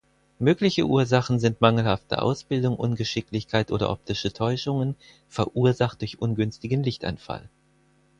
Mögliche Ursachen sind mangelhafte Ausbildung, Ungeschicklichkeit oder optische Täuschungen, verursacht durch ungünstigen Lichteinfall.